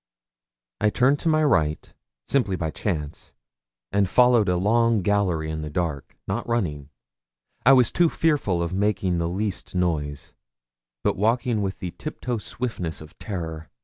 I turned to my right, simply by chance, and followed a long gallery in the dark, not running I was too fearful of making the least noise but walking with the tiptoe swiftness of terror.